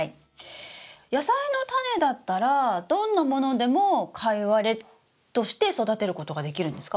野菜のタネだったらどんなものでもカイワレとして育てることができるんですか？